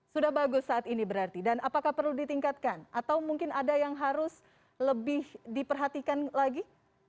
sudah bagus saat ini berarti dan apakah perlu ditingkatkan atau mungkin ada yang harus lebih diperhatikan lagi